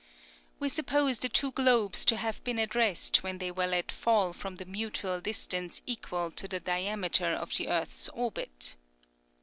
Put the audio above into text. '' We suppose the two globes to have been at rest when they were let fall from the mutual distance equal to the diameter of the earth's orbit.